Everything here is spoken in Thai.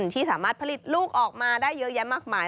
ที่สามารถผลิตลูกออกมาได้เยอะแยะมากมาย